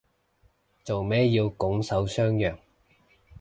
做咩要拱手相讓